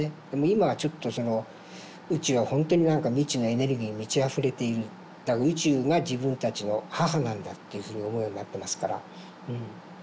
今はちょっと宇宙はほんとに何か未知のエネルギーに満ちあふれているだから宇宙が自分たちの母なんだというふうに思うようになってますから。